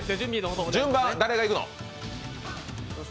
順番は誰が行くの？